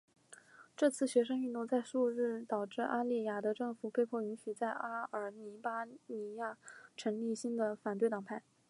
这次学生运动在数日内导致阿利雅的政府被迫允许在阿尔巴尼亚成立新的反对党派。